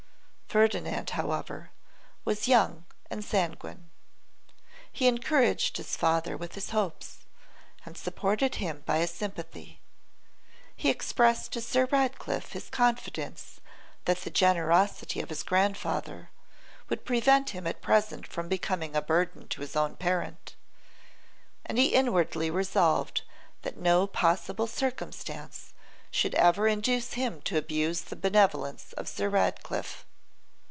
Ferdinand, however, was young and sanguine. He encouraged his father with his hopes, and supported him by his sympathy. He expressed to Sir Ratcliffe his confidence that the generosity of his grandfather would prevent him at present from becoming a burden to his own parent, and he inwardly resolved that no possible circumstance should ever induce him to abuse the benevolence of Sir Ratcliffe.